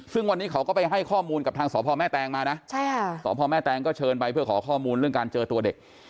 ซึ่งวันนี้เขาก็ไปให้ข้อมูลกับทางสพแม่แตงมานะสพแม่แตงก็เชิญไปเพื่อขอข้อมูลเรื่องการเจอตัวเด็ก